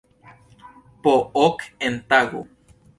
Po ok en tago.